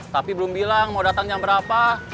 tapi belum bilang mau datang yang berapa